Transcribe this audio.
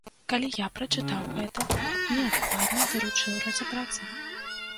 Калі я прачытаў гэта, неадкладна даручыў разабрацца.